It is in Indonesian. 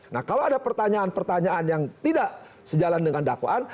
nah kalau ada pertanyaan pertanyaan yang tidak sejalan dengan dakwaan